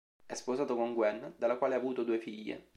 È sposato con Gwen, dalla quale ha avuto due figlie.